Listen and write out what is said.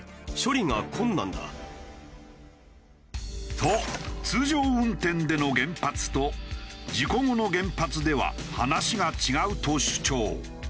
と通常運転での原発と事故後の原発では話が違うと主張。